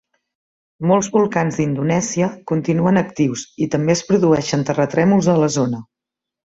Molts volcans d'Indonèsia continuen actius i també es produeixen terratrèmols a la zona.